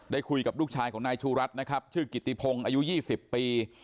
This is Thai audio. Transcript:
คุยกับลูกชายของนายชูรัฐนะครับชื่อกิติพงศ์อายุ๒๐ปี